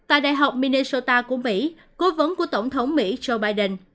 tại đại học minetota của mỹ cố vấn của tổng thống mỹ joe biden